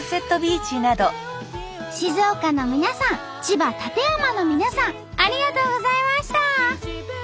静岡の皆さん千葉館山の皆さんありがとうございました。